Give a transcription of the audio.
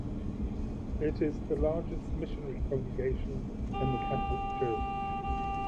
It is the largest missionary congregation in the Catholic Church.